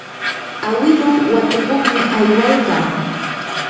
awiluu watukuqmi aywaykaa.